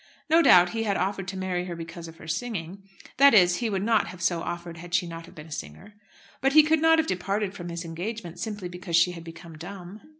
No doubt he had offered to marry her because of her singing; that is, he would not have so offered had she not have been a singer. But he could not have departed from his engagement simply because she had become dumb.